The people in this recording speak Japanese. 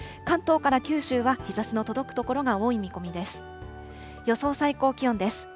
関東から九州は日ざしの届く所が多い見込みです。